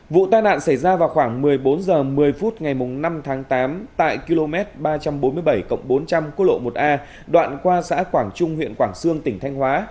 vụ tai nạn xảy ra vào khoảng một mươi bốn h một mươi phút ngày năm tháng tám tại km ba trăm bốn mươi bảy bốn trăm linh cô lộ một a đoạn qua xã quảng trung huyện quảng sương tỉnh thanh hóa